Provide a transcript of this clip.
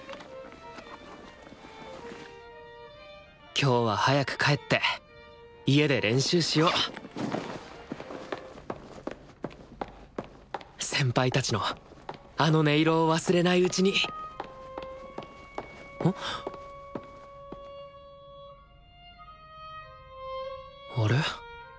今日は早く帰って家で練習しよう先輩たちのあの音色を忘れないうちに・あれ？